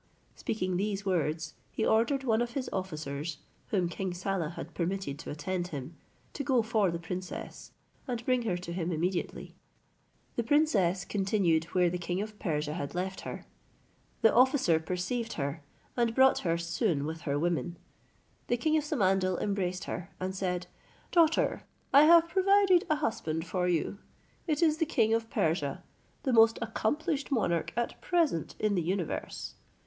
Speaking these words, he ordered one of his officers, whom King Saleh had permitted to attend him, to go for the princess, and bring her to him immediately. The princess continued where the king of Persia had left her. The officer perceived her, and brought her soon with her women. The king of Samandal embraced her, and said, "Daughter, I have provided a husband for you; it is the king of Persia, the most accomplished monarch at present in the universe.